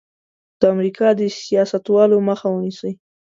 د امریکا د سیاستوالو مخه ونیسي.